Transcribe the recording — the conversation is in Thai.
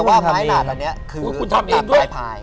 แต่ว่าไม้หนาดอันนี้คือทำเองด้วย